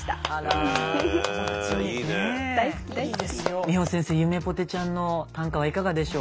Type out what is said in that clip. ゆめぽてちゃんの短歌はいかがでしょう。